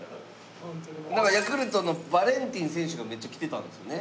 なんかヤクルトのバレンティン選手がめっちゃ来てたんですよね？